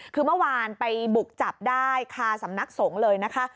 คือเมื่อวานไปบุกจับได้คาสำนักสงฆ์เลยนะคะ